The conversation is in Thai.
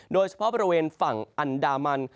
โดยเฉพาะบริเวณฝั่งอันดามัน